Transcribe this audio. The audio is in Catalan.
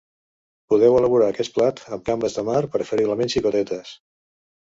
Podeu elaborar aquest plat amb gambes de mar, preferiblement xicotetes.